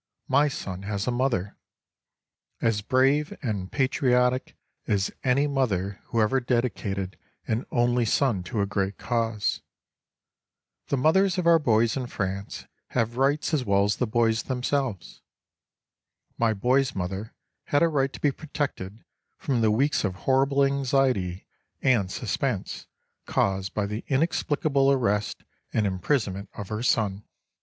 My son has a mother—as brave and patriotic as any mother who ever dedicated an only son to a great cause. The mothers of our boys in France have rights as well as the boys themselves. My boy's mother had a right to be protected from the weeks of horrible anxiety and suspense caused by the inexplicable arrest and imprisonment of her son.